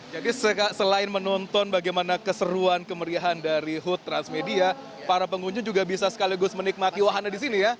jadi selain menonton bagaimana keseruan kemeriahan dari hood transmedia para pengunjung juga bisa sekaligus menikmati wahana di sini ya